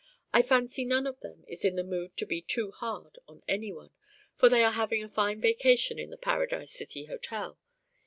I fancy none of them is in the mood to be too hard on any one, for they are having a fine vacation in the Paradise City Hotel.